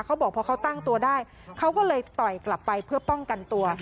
เขาบอกพอเขาตั้งตัวได้เขาก็เลยต่อยกลับไปเพื่อป้องกันตัว